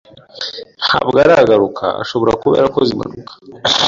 Ntabwo aragaruka. Ashobora kuba yarakoze impanuka.